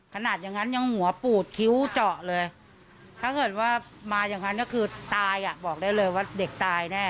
ขนาดอย่างนั้นยังหัวปูดคิ้วเจาะเลยถ้าเกิดว่ามาอย่างนั้นก็คือตายอ่ะบอกได้เลยว่าเด็กตายแน่